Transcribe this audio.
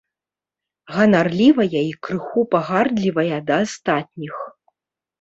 Ганарлівая і крыху пагардлівая да астатніх.